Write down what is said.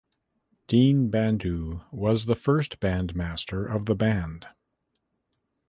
Deen Bandhu was the first bandmaster of the band.